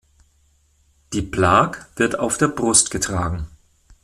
Die Plaque wird auf der Brust getragen.